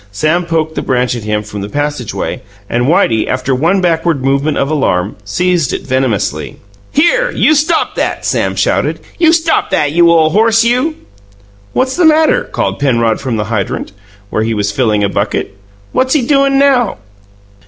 Sam poked the branch at him from the passageway, and Whitey, after one backward movement of alarm, seized it venomously. "Here! You stop that!" Sam shouted. "You stop that, you ole horse, you!" "What's the matter?" called Penrod from the hydrant, where he was filling a bucket. "What's he doin' now?"